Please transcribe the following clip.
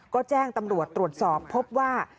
ก็แจ้งตำรวจตรวจสอบพบว่า